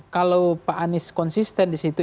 kalau pak anies konsisten disitu